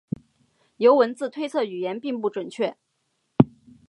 由文字推测语言并不准确。